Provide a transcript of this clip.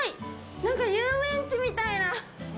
なんか遊園地みたいな。